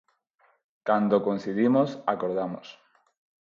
Cando coincidimos, acordamos.